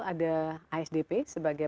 ada asdp sebagai